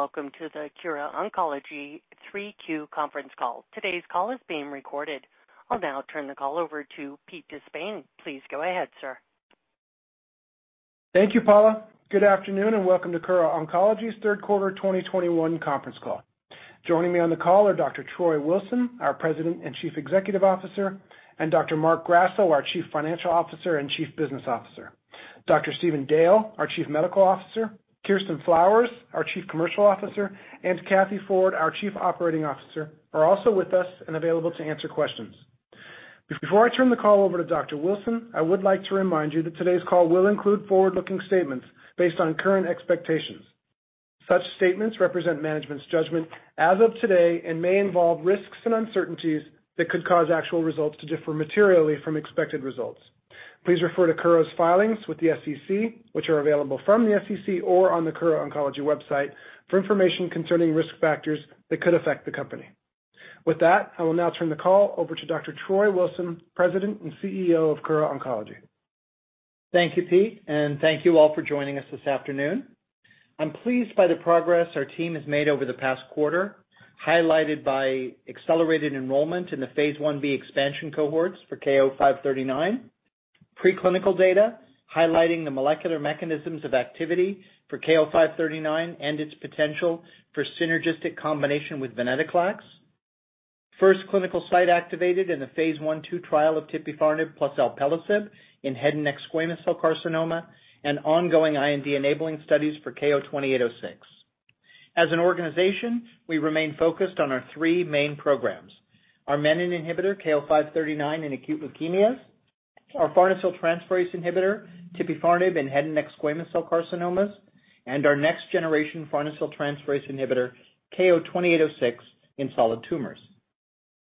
Good day, and welcome to the Kura Oncology 3Q conference call. Today's call is being recorded. I'll now turn the call over to Pete De Spain. Please go ahead, sir. Thank you, Paula. Good afternoon, and welcome to Kura Oncology's third quarter 2021 conference call. Joining me on the call are Dr. Troy Wilson, our President and Chief Executive Officer, and Dr. Marc Grasso, our Chief Financial Officer and Chief Business Officer. Dr. Stephen Dale, our Chief Medical Officer, Kirsten Flowers, our Chief Commercial Officer, and Kathleen Ford, our Chief Operating Officer, are also with us and available to answer questions. Before I turn the call over to Dr. Wilson, I would like to remind you that today's call will include forward-looking statements based on current expectations. Such statements represent management's judgment as of today and may involve risks and uncertainties that could cause actual results to differ materially from expected results. Please refer to Kura's filings with the SEC, which are available from the SEC or on the Kura Oncology website for information concerning risk factors that could affect the company. With that, I will now turn the call over to Dr. Troy Wilson, President and CEO of Kura Oncology. Thank you, Pete, and thank you all for joining us this afternoon. I'm pleased by the progress our team has made over the past quarter, highlighted by accelerated enrollment in the phase I-B expansion cohorts for KO-539, preclinical data highlighting the molecular mechanisms of activity for KO-539 and its potential for synergistic combination with venetoclax, first clinical site activated in the phase I/II trial of tipifarnib plus alpelisib in head and neck squamous cell carcinoma and ongoing IND-enabling studies for KO-2806. As an organization, we remain focused on our three main programs. Our menin inhibitor, KO-539 in acute leukemias, our farnesyl transferase inhibitor, tipifarnib in head and neck squamous cell carcinomas, and our next-generation farnesyl transferase inhibitor, KO-2806 in solid tumors.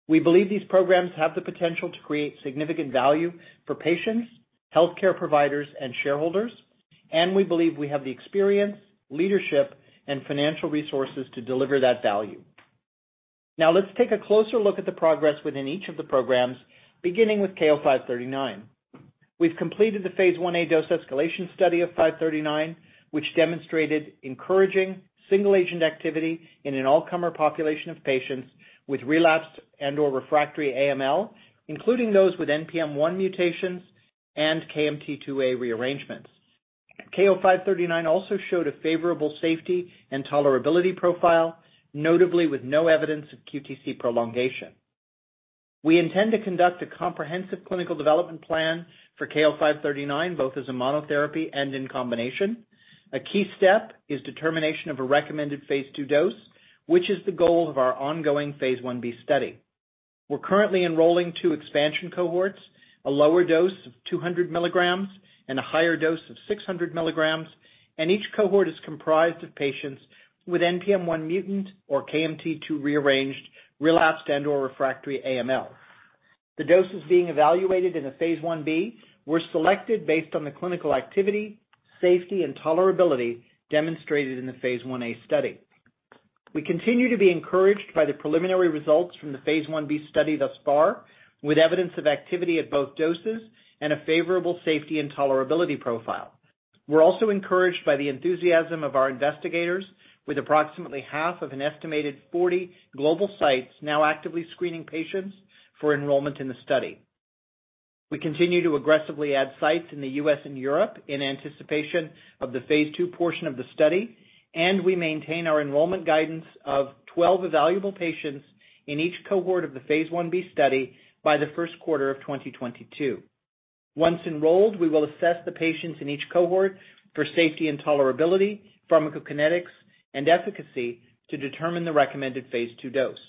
We believe these programs have the potential to create significant value for patients, healthcare providers, and shareholders, and we believe we have the experience, leadership, and financial resources to deliver that value. Now let's take a closer look at the progress within each of the programs, beginning with KO-539. We've completed the phase I-A dose-escalation study of KO-539, which demonstrated encouraging single-agent activity in an all-comer population of patients with relapsed and/or refractory AML, including those with NPM1 mutations and KMT2A rearrangements. KO-539 also showed a favorable safety and tolerability profile, notably with no evidence of QTc prolongation. We intend to conduct a comprehensive clinical development plan for KO-539, both as a monotherapy and in combination. A key step is determination of a recommended phase II dose, which is the goal of our ongoing phase I-B study. We're currently enrolling two expansion cohorts, a lower dose of 200 mg and a higher dose of 600 mg, and each cohort is comprised of patients with NPM1-mutant or KMT2A-rearranged, relapsed and/or refractory AML. The doses being evaluated in the phase I-B were selected based on the clinical activity, safety, and tolerability demonstrated in the phase I-A study. We continue to be encouraged by the preliminary results from the phase I-B study thus far, with evidence of activity at both doses and a favorable safety and tolerability profile. We're also encouraged by the enthusiasm of our investigators, with approximately half of an estimated 40 global sites now actively screening patients for enrollment in the study. We continue to aggressively add sites in the U.S. and Europe in anticipation of the phase II portion of the study, and we maintain our enrollment guidance of 12 evaluable patients in each cohort of the phase I-B study by the first quarter of 2022. Once enrolled, we will assess the patients in each cohort for safety and tolerability, pharmacokinetics, and efficacy to determine the recommended phase II dose.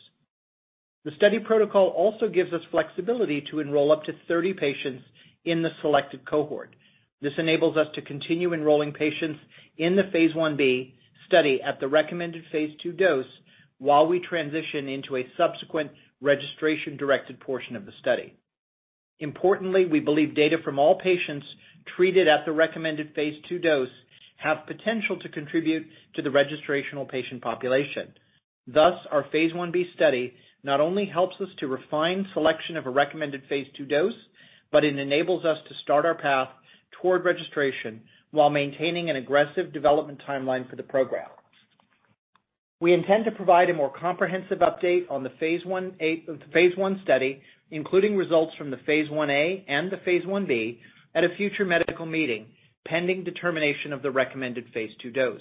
The study protocol also gives us flexibility to enroll up to 30 patients in the selected cohort. This enables us to continue enrolling patients in the phase I-B study at the recommended phase II dose while we transition into a subsequent registration-directed portion of the study. Importantly, we believe data from all patients treated at the recommended phase II dose have potential to contribute to the registrational patient population. Thus, our phase I-B study not only helps us to refine selection of a recommended phase II dose, but it enables us to start our path toward registration while maintaining an aggressive development timeline for the program. We intend to provide a more comprehensive update on the phase I-A/phase I study, including results from the phase I-A and the phase I-B at a future medical meeting, pending determination of the recommended phase II dose.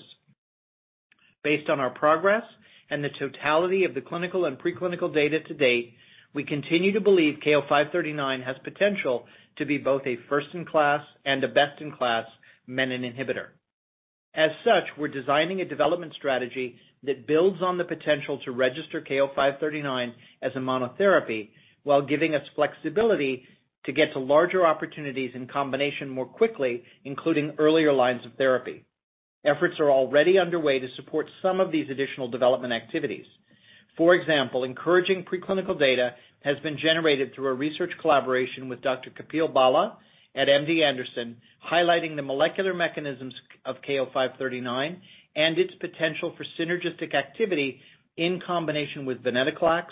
Based on our progress and the totality of the clinical and preclinical data to date, we continue to believe KO-539 has potential to be both a first-in-class and a best-in-class menin inhibitor. As such, we're designing a development strategy that builds on the potential to register KO-539 as a monotherapy while giving us flexibility to get to larger opportunities in combination more quickly, including earlier lines of therapy. Efforts are already underway to support some of these additional development activities. For example, encouraging preclinical data has been generated through a research collaboration with Dr. Kapil Bhalla at MD Anderson, highlighting the molecular mechanisms of KO-539 and its potential for synergistic activity in combination with venetoclax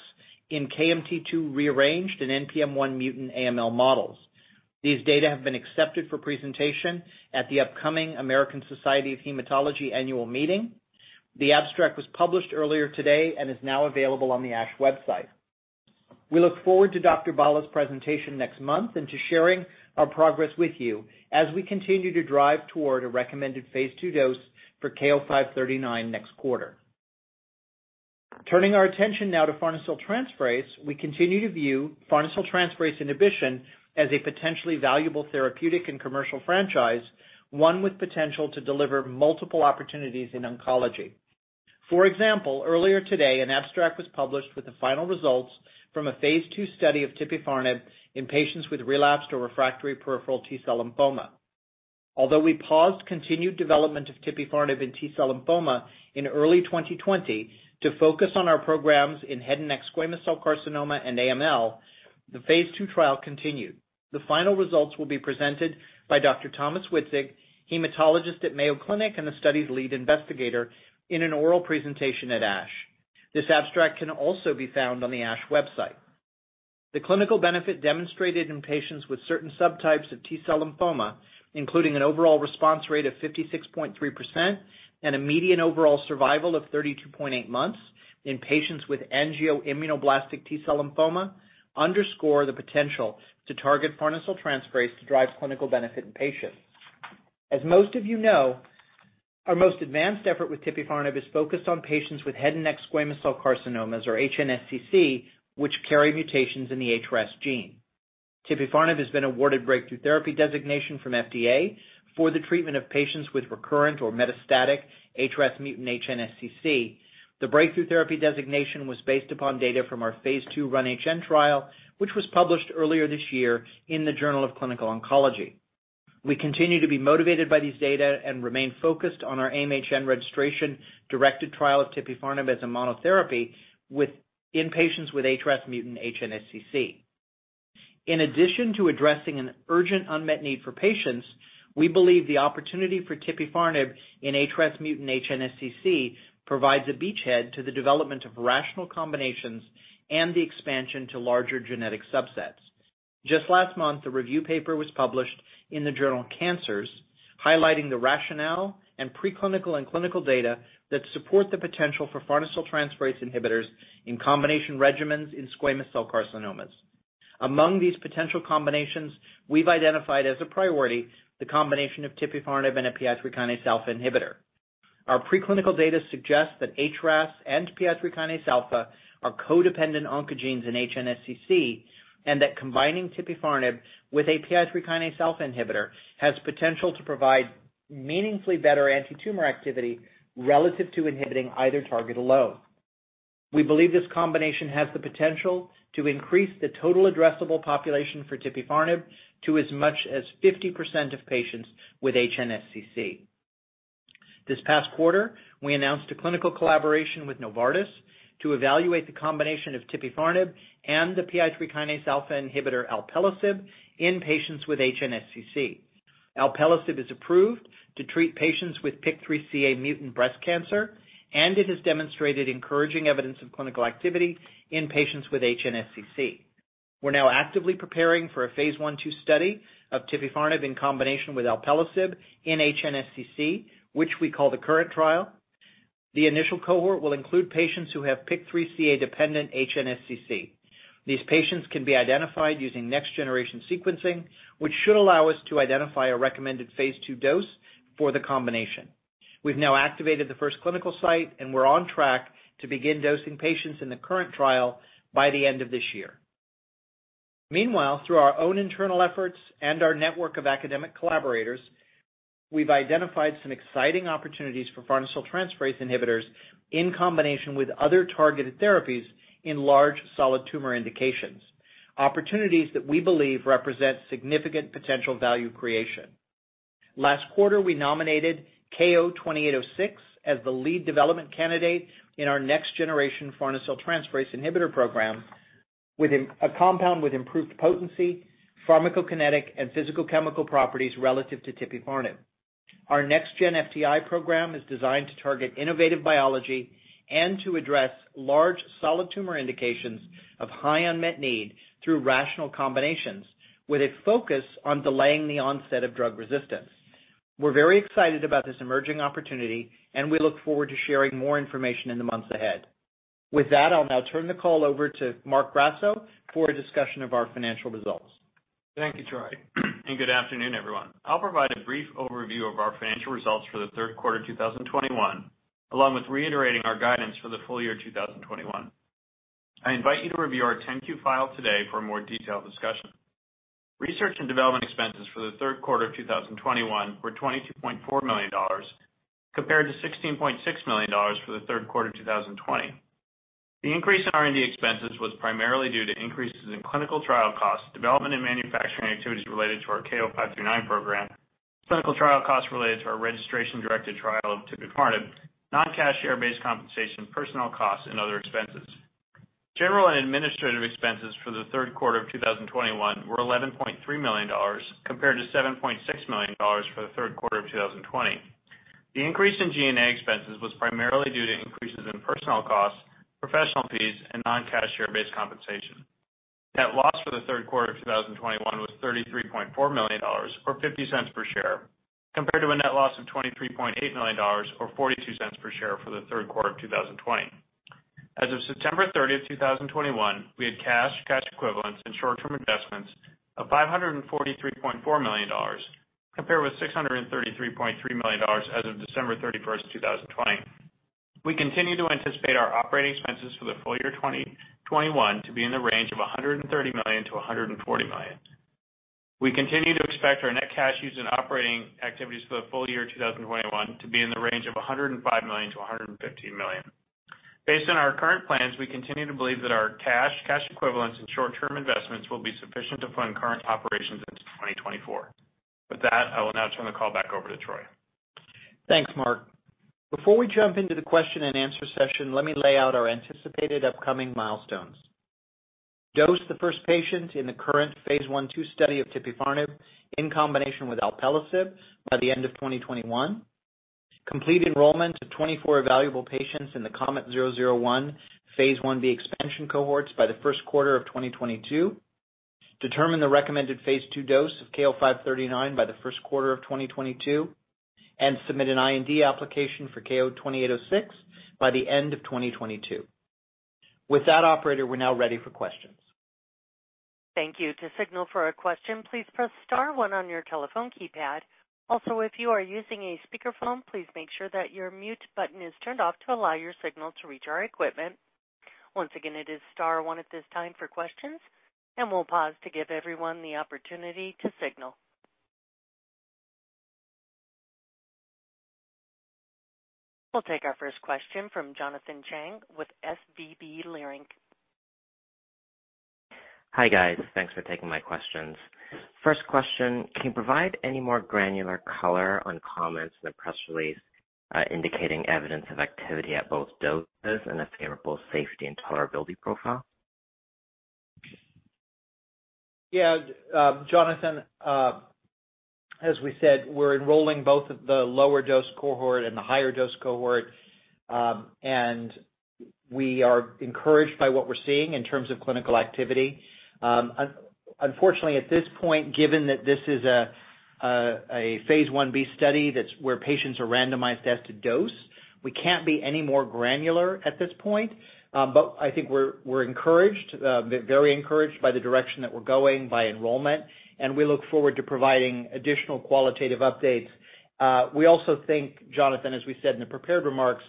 in KMT2A-rearranged and NPM1-mutant AML models. These data have been accepted for presentation at the upcoming American Society of Hematology annual meeting. The abstract was published earlier today and is now available on the ASH website. We look forward to Dr. Bhalla's presentation next month and to sharing our progress with you as we continue to drive toward a recommended phase II dose for KO-539 next quarter. Turning our attention now to farnesyl transferase, we continue to view farnesyl transferase inhibition as a potentially valuable therapeutic and commercial franchise, one with potential to deliver multiple opportunities in oncology. For example, earlier today, an abstract was published with the final results from a phase II study of tipifarnib in patients with relapsed or refractory peripheral T-cell lymphoma. Although we paused continued development of tipifarnib in T-cell lymphoma in early 2020 to focus on our programs in head and neck squamous cell carcinoma and AML, the phase II trial continued. The final results will be presented by Dr. Thomas Witzig, hematologist at Mayo Clinic and the study's lead investigator, in an oral presentation at ASH. This abstract can also be found on the ASH website. The clinical benefit demonstrated in patients with certain subtypes of T-cell lymphoma, including an overall response rate of 56.3% and a median overall survival of 32.8 months in patients with angioimmunoblastic T-cell lymphoma, underscore the potential to target farnesyl transferase to drive clinical benefit in patients. As most of you know, our most advanced effort with tipifarnib is focused on patients with head and neck squamous cell carcinomas, or HNSCC, which carry mutations in the HRAS gene. Tipifarnib has been awarded Breakthrough Therapy Designation from FDA for the treatment of patients with recurrent or metastatic HRAS mutant HNSCC. The Breakthrough Therapy Designation was based upon data from our phase II RUN-HN trial, which was published earlier this year in the Journal of Clinical Oncology. We continue to be motivated by these data and remain focused on our AIM-HN registration-directed trial of tipifarnib as a monotherapy in patients with HRAS mutant HNSCC. In addition to addressing an urgent unmet need for patients, we believe the opportunity for tipifarnib in HRAS mutant HNSCC provides a beachhead to the development of rational combinations and the expansion to larger genetic subsets. Just last month, a review paper was published in the Journal Cancers highlighting the rationale and preclinical and clinical data that support the potential for farnesyl transferase inhibitors in combination regimens in squamous cell carcinomas. Among these potential combinations, we've identified as a priority the combination of tipifarnib and a PI3 kinase alpha inhibitor. Our preclinical data suggests that HRAS and PI3 kinase alpha are codependent oncogenes in HNSCC, and that combining tipifarnib with a PI3 kinase alpha inhibitor has potential to provide meaningfully better antitumor activity relative to inhibiting either target alone. We believe this combination has the potential to increase the total addressable population for tipifarnib to as much as 50% of patients with HNSCC. This past quarter, we announced a clinical collaboration with Novartis to evaluate the combination of tipifarnib and the PI3 kinase alpha inhibitor alpelisib in patients with HNSCC. Alpelisib is approved to treat patients with PIK3CA mutant breast cancer, and it has demonstrated encouraging evidence of clinical activity in patients with HNSCC. We're now actively preparing for a phase I/II study of tipifarnib in combination with alpelisib in HNSCC, which we call the KURRENT trial. The initial cohort will include patients who have PIK3CA-dependent HNSCC. These patients can be identified using next-generation sequencing, which should allow us to identify a recommended phase II dose for the combination. We've now activated the first clinical site, and we're on track to begin dosing patients in the KURRENT trial by the end of this year. Meanwhile, through our own internal efforts and our network of academic collaborators, we've identified some exciting opportunities for farnesyl transferase inhibitors in combination with other targeted therapies in large solid tumor indications, opportunities that we believe represent significant potential value creation. Last quarter, we nominated KO-2806 as the lead development candidate in our next-generation farnesyl transferase inhibitor program with a compound with improved potency, pharmacokinetic, and physicochemical properties relative to tipifarnib. Our next-gen FTI program is designed to target innovative biology and to address large solid tumor indications of high unmet need through rational combinations with a focus on delaying the onset of drug resistance. We're very excited about this emerging opportunity, and we look forward to sharing more information in the months ahead. With that, I'll now turn the call over to Marc Grasso for a discussion of our financial results. Thank you, Troy, and good afternoon, everyone. I'll provide a brief overview of our financial results for the third quarter of 2021, along with reiterating our guidance for the full year of 2021. I invite you to review our 10-Q filed today for a more detailed discussion. Research and development expenses for the third quarter of 2021 were $22.4 million compared to $16.6 million for the third quarter of 2020. The increase in R&D expenses was primarily due to increases in clinical trial costs, development and manufacturing activities related to our KO-539 program, clinical trial costs related to our registration-directed trial of tipifarnib, non-cash share-based compensation, personnel costs, and other expenses. General and administrative expenses for the third quarter of 2021 were $11.3 million, compared to $7.6 million for the third quarter of 2020. The increase in G&A expenses was primarily due to increases in personnel costs, professional fees, and non-cash share-based compensation. Net loss for the third quarter of 2021 was $33.4 million, or $0.50 per share, compared to a net loss of $23.8 million or $0.42 per share for the third quarter of 2020. As of September 30, 2021, we had cash equivalents and short-term investments of $543.4 million, compared with $633.3 million as of December 31st, 2020. We continue to anticipate our operating expenses for the full year 2021 to be in the range of $130 million-$140 million. We continue to expect our net cash used in operating activities for the full year 2021 to be in the range of $105 million-$115 million. Based on our current plans, we continue to believe that our cash equivalents and short-term investments will be sufficient to fund current operations into 2024. With that, I will now turn the call back over to Troy. Thanks, Marc. Before we jump into the question and answer session, let me lay out our anticipated upcoming milestones. Dose the first patient in the current phase I/II study of tipifarnib in combination with alpelisib by the end of 2021. Complete enrollment of 24 evaluable patients in the KOMET-001 phase I-B expansion cohorts by the first quarter of 2022. Determine the recommended phase II dose of KO-539 by the first quarter of 2022. Submit an IND application for KO-2806 by the end of 2022. With that operator, we're now ready for questions. Thank you. To signal for a question, please press star one on your telephone keypad. Also, if you are using a speakerphone, please make sure that your mute button is turned off to allow your signal to reach our equipment. Once again, it is star one at this time for questions, and we'll pause to give everyone the opportunity to signal. We'll take our first question from Jonathan Chang with SVB Leerink. Hi, guys. Thanks for taking my questions. First question, can you provide any more granular color on comments in the press release, indicating evidence of activity at both doses and a favorable safety and tolerability profile? Yeah, Jonathan, as we said, we're enrolling both of the lower dose cohort and the higher dose cohort, and we are encouraged by what we're seeing in terms of clinical activity. Unfortunately, at this point, given that this is a phase I-B study that's where patients are randomized as to dose, we can't be any more granular at this point. But I think we're encouraged, very encouraged by the direction that we're going by enrollment, and we look forward to providing additional qualitative updates. We also think, Jonathan, as we said in the prepared remarks,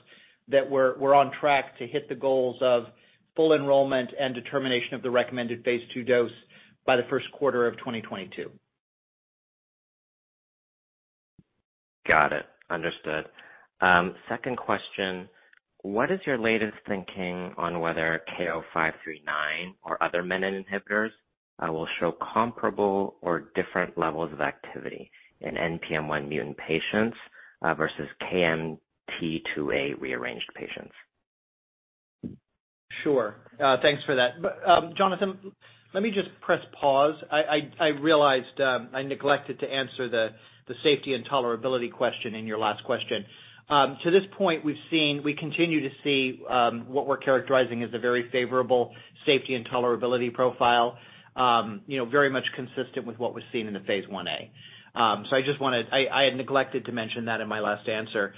that we're on track to hit the goals of full enrollment and determination of the recommended phase II dose by the first quarter of 2022. Got it. Understood. Second question. What is your latest thinking on whether KO-539 or other menin inhibitors will show comparable or different levels of activity in NPM1 mutant patients versus KMT2A rearranged patients? Sure. Thanks for that. Jonathan, let me just press pause. I realized I neglected to answer the safety and tolerability question in your last question. To this point, we've seen, we continue to see what we're characterizing as a very favorable safety and tolerability profile, you know, very much consistent with what was seen in the phase I-A. I had neglected to mention that in my last answer.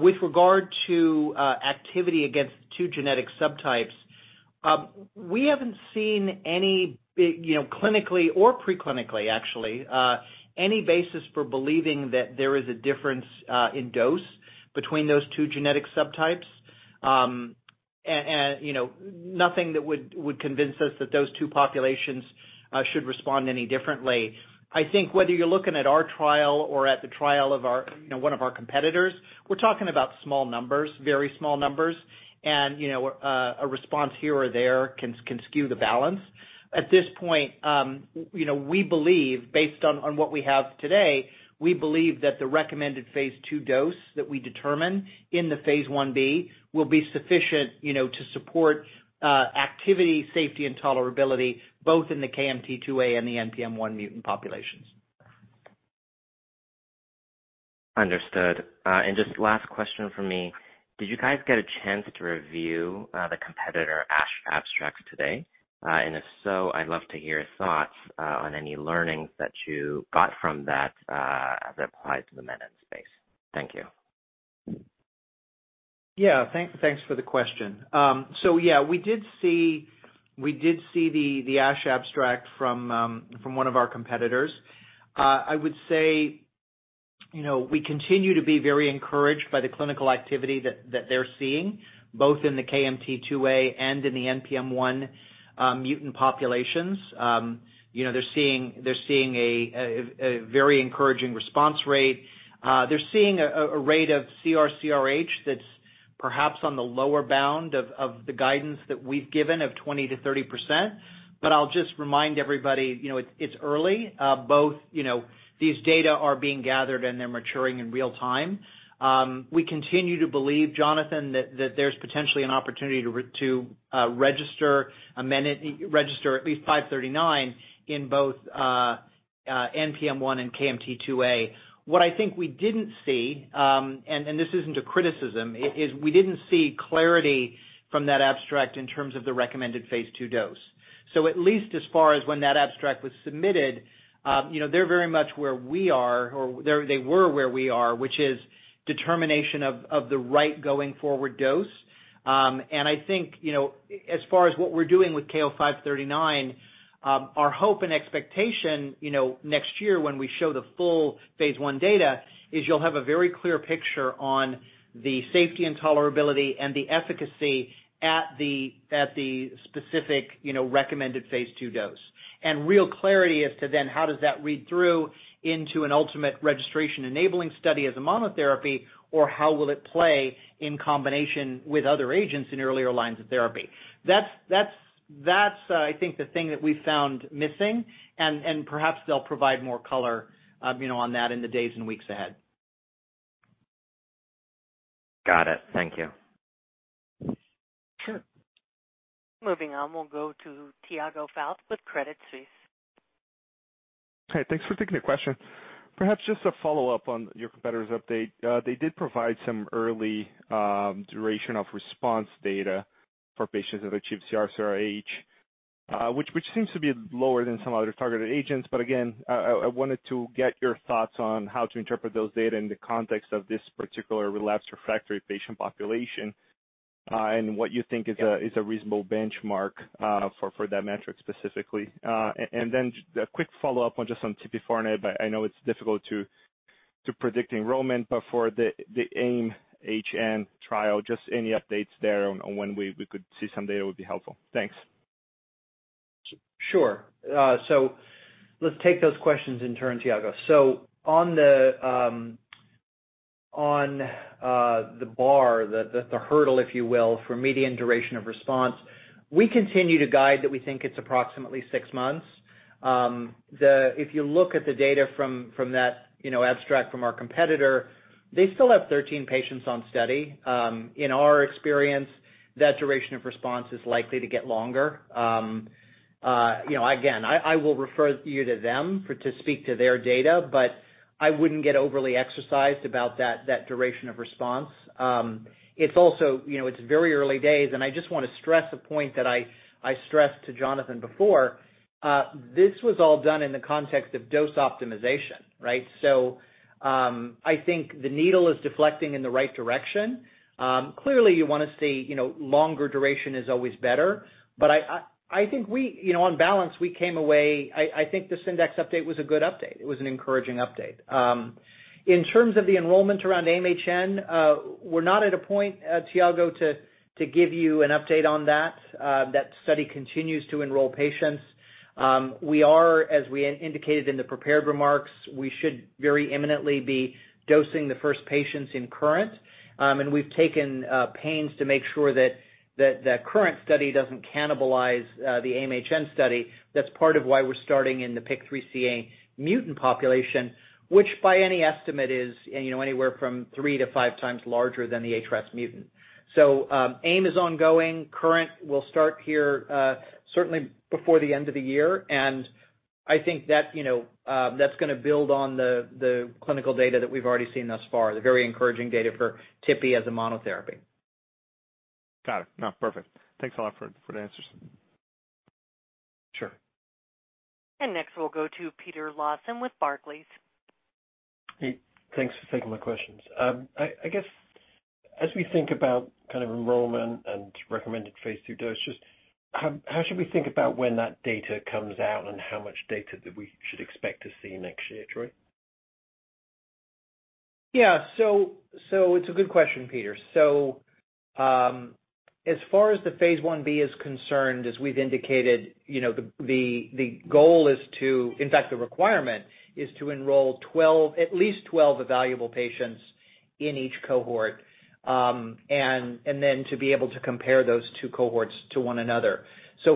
With regard to activity against two genetic subtypes, we haven't seen any big, you know, clinically or pre-clinically actually, any basis for believing that there is a difference in dose between those two genetic subtypes. You know, nothing that would convince us that those two populations should respond any differently. I think whether you're looking at our trial or at the trial of our, you know, one of our competitors, we're talking about small numbers, very small numbers. You know, a response here or there can skew the balance. At this point, you know, we believe based on what we have today, we believe that the recommended phase II dose that we determine in the phase I-B will be sufficient, you know, to support activity, safety and tolerability both in the KMT2A and the NPM1 mutant populations. Understood. Just last question from me. Did you guys get a chance to review the competitor ASH abstracts today? If so, I'd love to hear your thoughts on any learnings that you got from that as it applies to the menin space. Thank you. Yeah. Thanks for the question. Yeah, we did see the ASH abstract from one of our competitors. I would say, you know, we continue to be very encouraged by the clinical activity that they're seeing both in the KMT2A and in the NPM1 mutant populations. You know, they're seeing a very encouraging response rate. They're seeing a rate of CR/CRh that's perhaps on the lower bound of the guidance that we've given of 20%-30%. I'll just remind everybody, you know, it's early. Both, you know, these data are being gathered and they're maturing in real time. We continue to believe, Jonathan, that that there's potentially an opportunity to register KO-539 in both NPM1 and KMT2A. What I think we didn't see, and this isn't a criticism, is we didn't see clarity from that abstract in terms of the recommended phase II dose. At least as far as when that abstract was submitted, you know, they're very much where we are or they're, they were where we are, which is determination of the right going-forward dose. I think, you know, as far as what we're doing with KO-539, our hope and expectation, you know, next year when we show the full phase I data, is you'll have a very clear picture on the safety and tolerability and the efficacy at the specific, you know, recommended phase II dose. Real clarity as to then how does that read through into an ultimate registration-enabling study as a monotherapy, or how will it play in combination with other agents in earlier lines of therapy. That's I think the thing that we found missing and perhaps they'll provide more color, you know, on that in the days and weeks ahead. Got it. Thank you. Sure. Moving on, we'll go to Tiago Fauth with Credit Suisse. Hey, thanks for taking the question. Perhaps just a follow-up on your competitor's update. They did provide some early duration of response data for patients that achieved CR/CRh, which seems to be lower than some other targeted agents. I wanted to get your thoughts on how to interpret those data in the context of this particular relapsed/refractory patient population, and what you think is a reasonable benchmark for that metric specifically. A quick follow-up on tipifarnib, but I know it's difficult to predict enrollment, but for the AIM-HN trial, just any updates there on when we could see some data would be helpful. Thanks. Sure. Let's take those questions in turn, Tiago. On the bar, the hurdle, if you will, for median duration of response, we continue to guide that we think it's approximately six months. If you look at the data from that, you know, abstract from our competitor, they still have 13 patients on study. In our experience, that duration of response is likely to get longer. You know, again, I will refer you to them to speak to their data, but I wouldn't get overly exercised about that duration of response. It's also, you know, it's very early days, and I just wanna stress a point that I stressed to Jonathan before. This was all done in the context of dose optimization, right? I think the needle is deflecting in the right direction. Clearly, you wanna see, you know, longer duration is always better. I think we, you know, on balance, we came away. I think this index update was a good update. It was an encouraging update. In terms of the enrollment around AIM-HN, we're not at a point, Tiago, to give you an update on that. That study continues to enroll patients. We are, as we indicated in the prepared remarks, we should very imminently be dosing the first patients in KURRENT. We've taken pains to make sure that the KURRENT study doesn't cannibalize the AIM-HN study. That's part of why we're starting in the PIK3CA mutant population, which by any estimate is, you know, anywhere from three to five times larger than the HRAS mutant. AIM-HN is ongoing. KURRENT will start here, certainly before the end of the year, and I think that, you know, that's gonna build on the clinical data that we've already seen thus far, the very encouraging data for tipifarnib as a monotherapy. Got it. No, perfect. Thanks a lot for the answers. Sure. Next, we'll go to Peter Lawson with Barclays. Hey, thanks for taking my questions. I guess as we think about kind of enrollment and recommended phase II dose, just how should we think about when that data comes out and how much data we should expect to see next year, Troy? Yeah. It's a good question, Peter. As far as the phase I-B is concerned, as we've indicated, you know, in fact, the requirement is to enroll 12, at least 12 evaluable patients in each cohort, and then to be able to compare those two cohorts to one another.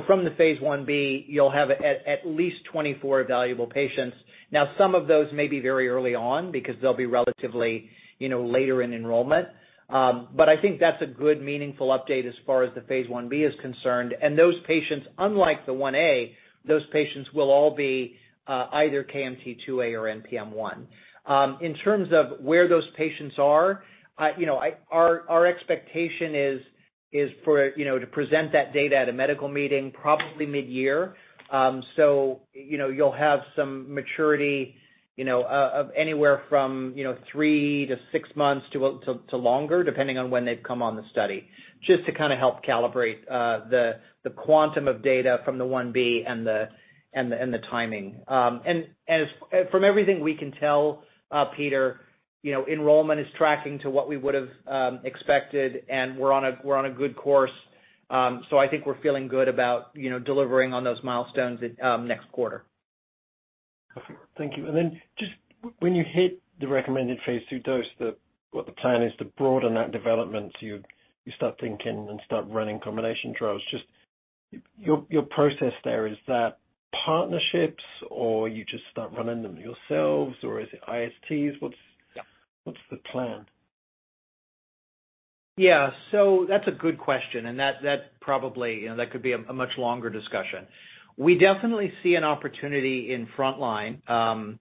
From the phase I-B, you'll have at least 24 evaluable patients. Now, some of those may be very early on because they'll be relatively, you know, later in enrollment. But I think that's a good, meaningful update as far as the phase I-B is concerned. Those patients, unlike the 1-A, those patients will all be either KMT2A or NPM1. In terms of where those patients are, our expectation is for, you know, to present that data at a medical meeting probably midyear. You'll have some maturity, you know, of anywhere from three to six months to longer, depending on when they've come on the study, just to kinda help calibrate the quantum of data from the 1B and the timing. From everything we can tell, Peter, you know, enrollment is tracking to what we would've expected, and we're on a good course. I think we're feeling good about, you know, delivering on those milestones at next quarter. Okay. Thank you. Just when you hit the recommended phase II dose, what the plan is to broaden that development, you start thinking and start running combination trials. Just your process there, is that partnerships or you just start running them yourselves, or is it ISTs? What's- Yeah. What's the plan? That's a good question, and that probably, you know, that could be a much longer discussion. We definitely see an opportunity in frontline.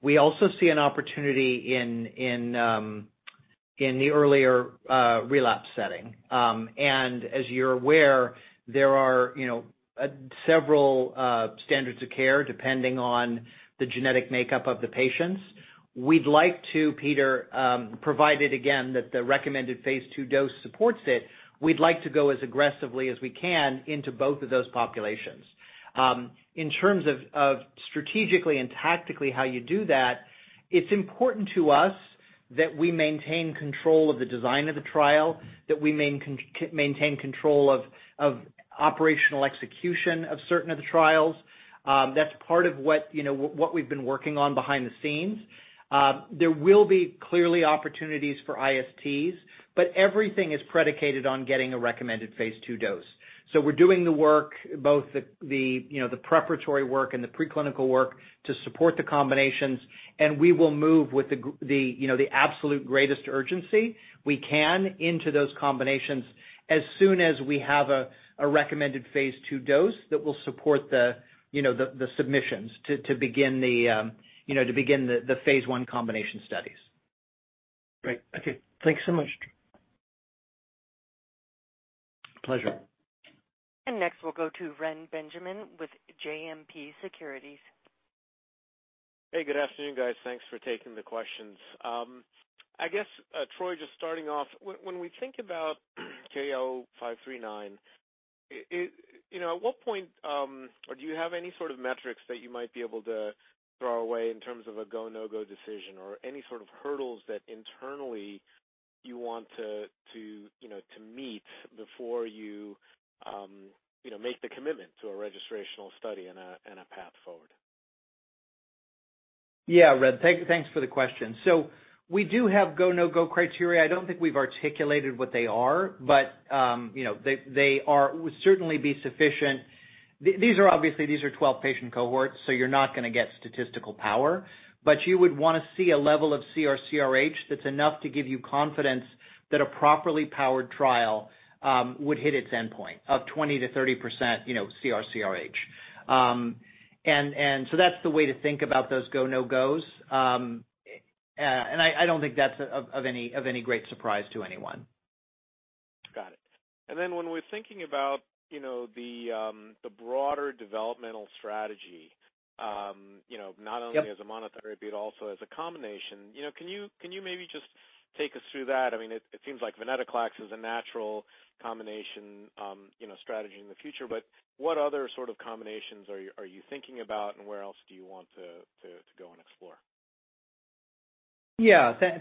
We also see an opportunity in the earlier relapse setting. As you're aware, there are, you know, several standards of care depending on the genetic makeup of the patients. We'd like to, Peter, provided again that the recommended phase II dose supports it, we'd like to go as aggressively as we can into both of those populations. In terms of strategically and tactically how you do that, it's important to us that we maintain control of the design of the trial, that we maintain control of operational execution of certain of the trials. That's part of what, you know, we've been working on behind the scenes. There will be clearly opportunities for ISTs, but everything is predicated on getting a recommended phase II dose. We're doing the work, both the you know, the preparatory work and the preclinical work to support the combinations, and we will move with the you know, the absolute greatest urgency we can into those combinations as soon as we have a recommended phase II dose that will support the you know, the submissions to begin the phase I combination studies. Great. Okay. Thanks so much. Pleasure. Next, we'll go to Ren Benjamin with JMP Securities. Hey, good afternoon, guys. Thanks for taking the questions. I guess, Troy, just starting off, when we think about KO-539, you know, at what point, or do you have any sort of metrics that you might be able to throw away in terms of a go/no-go decision or any sort of hurdles that internally you want to, you know, to meet before you know, make the commitment to a registrational study and a path forward? Yeah, Ren. Thanks for the question. We do have go/no-go criteria. I don't think we've articulated what they are, but they would certainly be sufficient. These are obviously 12 patient cohorts, so you're not gonna get statistical power. But you would wanna see a level of CR/CRh that's enough to give you confidence that a properly powered trial would hit its endpoint of 20%-30% CR/CRh. That's the way to think about those go/no-gos. I don't think that's of any great surprise to anyone. Got it. When we're thinking about, you know, the broader developmental strategy, you know- Yep Not only as a monotherapy, but also as a combination, you know, can you maybe just take us through that? I mean, it seems like venetoclax is a natural combination, you know, strategy in the future. What other sort of combinations are you thinking about, and where else do you want to go and explore?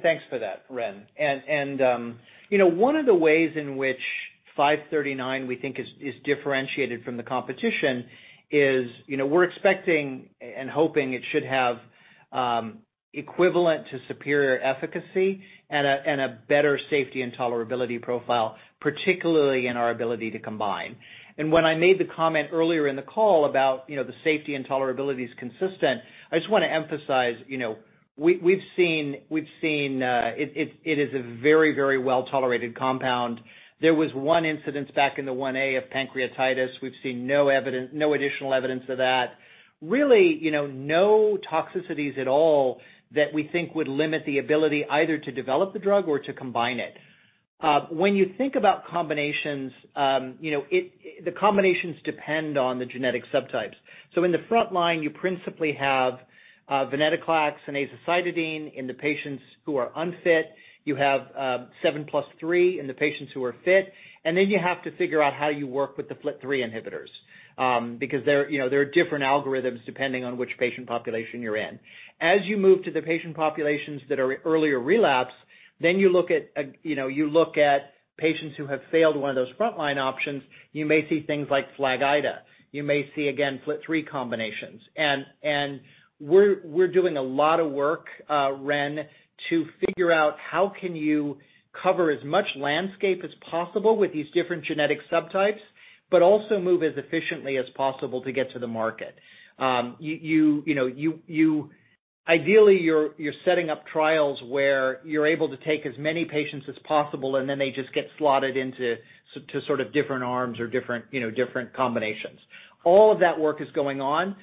Thanks for that, Ren. You know, one of the ways in which KO-539 we think is differentiated from the competition is, you know, we're expecting and hoping it should have equivalent to superior efficacy and a better safety and tolerability profile, particularly in our ability to combine. When I made the comment earlier in the call about, you know, the safety and tolerability is consistent, I just wanna emphasize, you know, we've seen it is a very well-tolerated compound. There was one incidence back in the 1-A of pancreatitis. We've seen no additional evidence of that. Really, you know, no toxicities at all that we think would limit the ability either to develop the drug or to combine it. When you think about combinations, you know, the combinations depend on the genetic subtypes. In the frontline, you principally have venetoclax and azacitidine in the patients who are unfit. You have 7+3 in the patients who are fit. You have to figure out how you work with the FLT3 inhibitors, because there, you know, there are different algorithms depending on which patient population you're in. As you move to the patient populations that are earlier relapse, then you look at, you know, patients who have failed one of those frontline options. You may see things like FLAG-IDA. You may see, again, FLT3 combinations. We're doing a lot of work, Ren, to figure out how can you cover as much landscape as possible with these different genetic subtypes but also move as efficiently as possible to get to the market. You know, ideally, you're setting up trials where you're able to take as many patients as possible, and then they just get slotted into sort of different arms or different, you know, different combinations. All of that work is going on.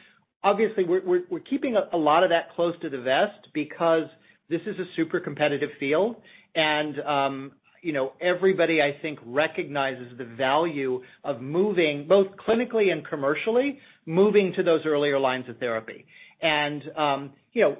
Obviously, we're keeping a lot of that close to the vest because this is a super competitive field. You know, everybody, I think, recognizes the value of moving, both clinically and commercially, moving to those earlier lines of therapy. You know,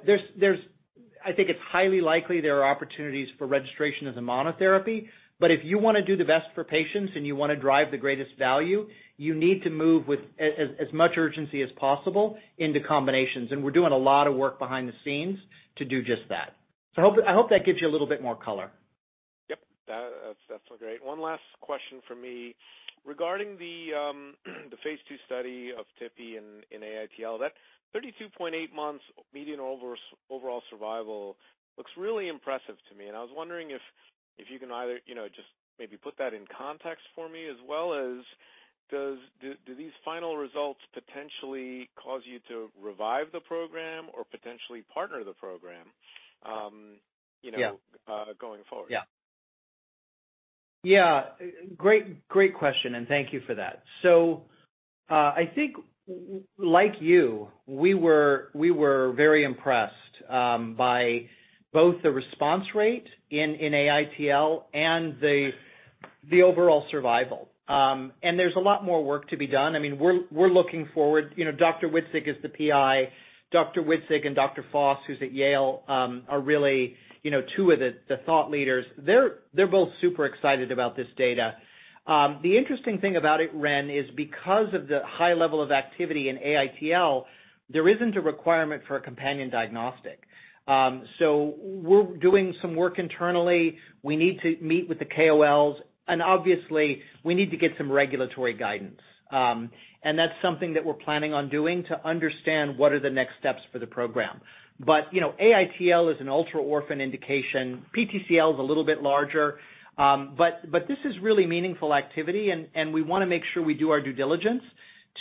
I think it's highly likely there are opportunities for registration as a monotherapy. If you wanna do the best for patients and you wanna drive the greatest value, you need to move with as much urgency as possible into combinations, and we're doing a lot of work behind the scenes to do just that. I hope that gives you a little bit more color. Yep. That's great. One last question from me. Regarding the phase II study of tipifarnib in AITL, that 32.8 months median overall survival looks really impressive to me. I was wondering if you can either, you know, just maybe put that in context for me, as well as Do these final results potentially cause you to revive the program or potentially partner the program? Yeah. You know, going forward? Yeah. Great question, and thank you for that. I think like you, we were very impressed by both the response rate in AITL and the overall survival. There's a lot more work to be done. I mean, we're looking forward. You know, Dr. Witzig is the PI. Dr. Witzig and Dr. Foss, who's at Yale, are really two of the thought leaders. They're both super excited about this data. The interesting thing about it, Ren, is because of the high level of activity in AITL, there isn't a requirement for a companion diagnostic. We're doing some work internally. We need to meet with the KOLs, and obviously, we need to get some regulatory guidance. That's something that we're planning on doing to understand what are the next steps for the program. You know, AITL is an ultra-orphan indication. PTCL is a little bit larger. This is really meaningful activity, and we wanna make sure we do our due diligence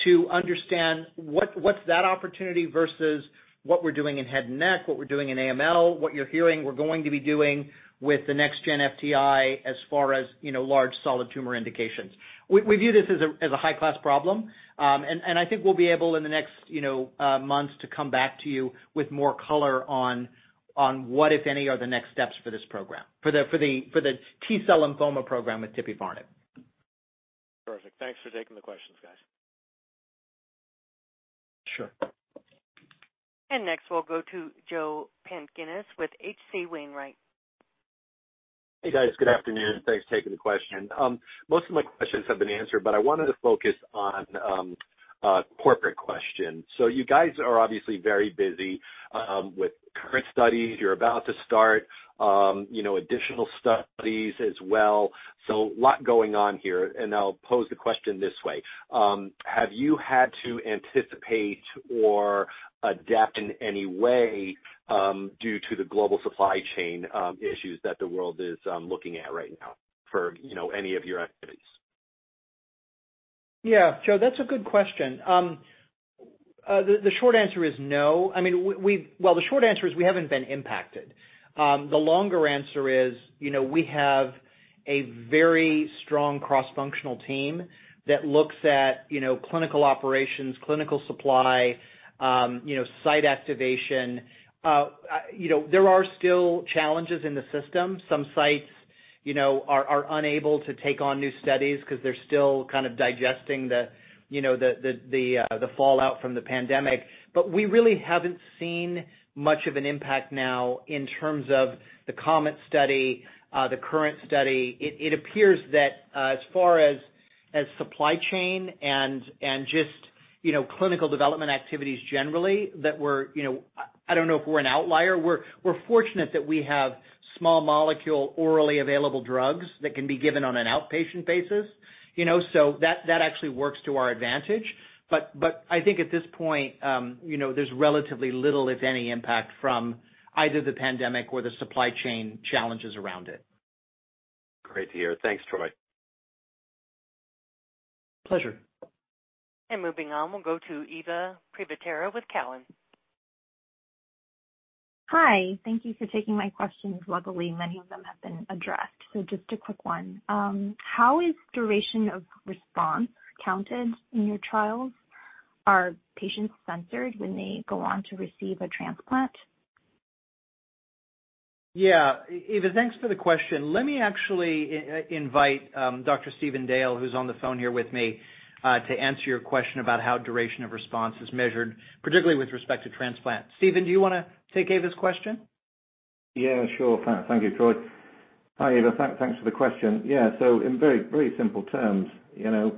to understand what's that opportunity versus what we're doing in head and neck, what we're doing in AML, what you're hearing we're going to be doing with the next gen FTI as far as, you know, large solid tumor indications. We view this as a high-class problem. I think we'll be able, in the next, you know, months to come back to you with more color on what, if any, are the next steps for this program for the T-cell lymphoma program with tipifarnib. Perfect. Thanks for taking the questions, guys. Sure. Next, we'll go to Joe Pantginis with H.C. Wainwright. Hey, guys. Good afternoon. Thanks for taking the question. Most of my questions have been answered, but I wanted to focus on a corporate question. You guys are obviously very busy with current studies. You're about to start, you know, additional studies as well. A lot going on here, and I'll pose the question this way. Have you had to anticipate or adapt in any way due to the global supply chain issues that the world is looking at right now for, you know, any of your activities? Yeah. Joe, that's a good question. The short answer is no. I mean, well, the short answer is we haven't been impacted. The longer answer is, you know, we have a very strong cross-functional team that looks at, you know, clinical operations, clinical supply, you know, site activation. You know, there are still challenges in the system. Some sites, you know, are unable to take on new studies 'cause they're still kind of digesting the, you know, the fallout from the pandemic. But we really haven't seen much of an impact now in terms of the KOMET study, the current study. It appears that, as far as supply chain and just, you know, clinical development activities generally that we're. You know, I don't know if we're an outlier. We're fortunate that we have small molecule orally available drugs that can be given on an outpatient basis. You know? That actually works to our advantage. I think at this point, you know, there's relatively little, if any, impact from either the pandemic or the supply chain challenges around it. Great to hear. Thanks, Troy. Pleasure. Moving on, we'll go to Eva Privitera with Cowen. Hi. Thank you for taking my questions. Luckily, many of them have been addressed, so just a quick one. How is duration of response counted in your trials? Are patients censored when they go on to receive a transplant? Yeah. Eva, thanks for the question. Let me actually invite Dr. Stephen Dale, who's on the phone here with me, to answer your question about how duration of response is measured, particularly with respect to transplant. Stephen, do you wanna take Eva's question? Yeah, sure. Thank you, Troy. Hi, Eva. Thanks for the question. Yeah. In very, very simple terms, you know,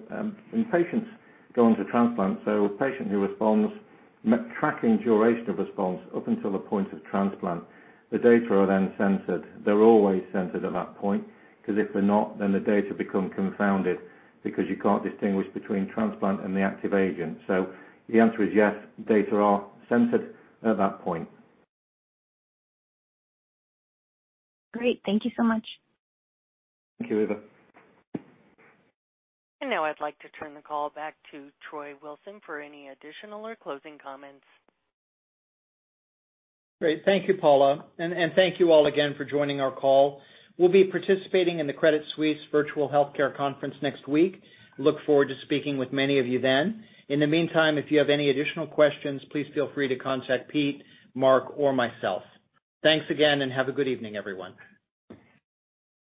when patients go into transplant, so a patient who responds, tracking duration of response up until the point of transplant, the data are then censored. They're always censored at that point, 'cause if they're not, then the data become confounded because you can't distinguish between transplant and the active agent. The answer is yes, data are censored at that point. Great. Thank you so much. Thank you, Eva. Now I'd like to turn the call back to Troy Wilson for any additional or closing comments. Great. Thank you, Paula. Thank you all again for joining our call. We'll be participating in the Credit Suisse Virtual Healthcare Conference next week. Look forward to speaking with many of you then. In the meantime, if you have any additional questions, please feel free to contact Pete, Marc, or myself. Thanks again, and have a good evening, everyone.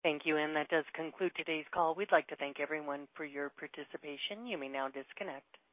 Thank you. That does conclude today's call. We'd like to thank everyone for your participation. You may now disconnect.